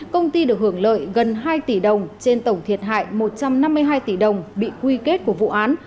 công ty được hưởng lợi gần hai tỷ đồng trên tổng thiệt hại một trăm năm mươi hai tỷ đồng bị quy kết của vụ án